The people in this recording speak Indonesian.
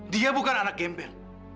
dia bukan anak gemil